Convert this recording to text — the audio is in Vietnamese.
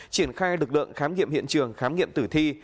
triển khai lực lượng khám nghiệm hiện trường khám nghiệm tử thi